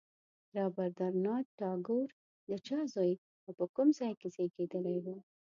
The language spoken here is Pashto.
رابندر ناته ټاګور د چا زوی او په کوم ځای کې زېږېدلی و.